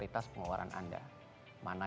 impeksi pengeluaran autoperk